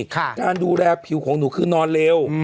การดูแลผิวของหนูคือนอนเร็ว